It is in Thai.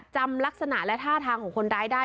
จำลักษณะและท่าทางของคนร้ายได้